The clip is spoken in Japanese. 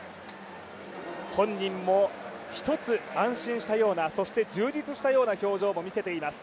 本人もひとつ安心したような、そして充実したような表情も見せています。